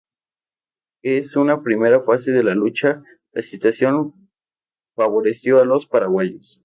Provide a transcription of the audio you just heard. En una primera fase de la lucha la situación favoreció a los paraguayos.